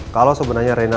kalau sebenarnya reina